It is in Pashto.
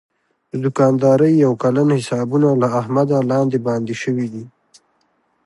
د دوکاندارۍ یو کلن حسابونه له احمده لاندې باندې شوي دي.